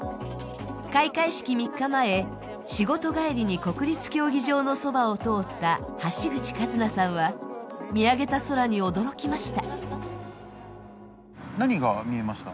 開会式３日前、仕事帰りに国立競技場のそばを通った橋口和奈さんは、見上げた空に驚きました。